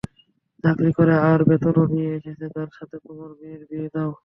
চাকরি করে আর বেতনও নিয়ে এসেছে তার সাথে তোমার মেয়ের বিয়ে দাও।